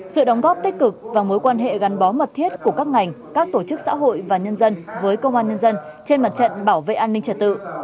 sự đóng góp tích cực và mối quan hệ gắn bó mật thiết của các ngành các tổ chức xã hội và nhân dân với công an nhân dân trên mặt trận bảo vệ an ninh trật tự